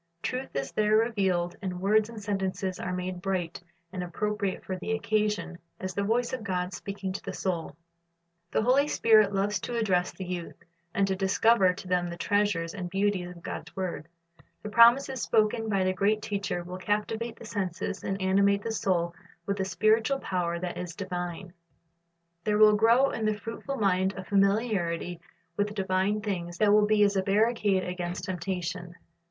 Truth is there revealed, and words and sentences are made bright and appropriate for the occasion, as the voice of God speaking to the soul. The Holy Spirit loves to address the youth, and to discover to them the treasures and beauties of God's word. The promises spoken by the great Teacher will captivate the senses and animate the soul with a spiritual power that is divine. There will grow in the fruitful mind a familiarit}' with divine things that will be as a barricade against temptation.